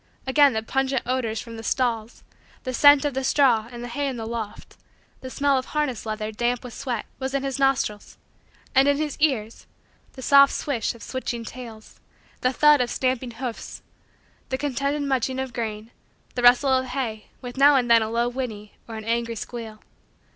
Again the pungent odors from the stalls, the scent of the straw and the hay in the loft, the smell of harness leather damp with sweat was in his nostrils and in his ears, the soft swish of switching tails, the thud of stamping hoofs, the contented munching of grain, the rustle of hay, with now and then a low whinny or an angry squeal.